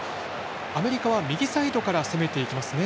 アメリカは右サイドから攻めていきますね。